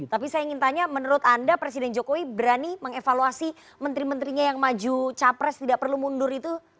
tapi saya ingin tanya menurut anda presiden jokowi berani mengevaluasi menteri menterinya yang maju capres tidak perlu mundur itu